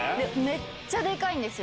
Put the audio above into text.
⁉めっちゃデカいんですよ。